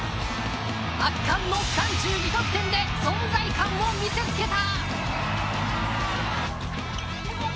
圧巻の３２得点で存在感を見せつけた。